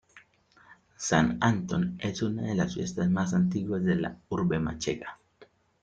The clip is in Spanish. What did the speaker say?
San Antón es una de las fiestas más antiguas de la urbe manchega.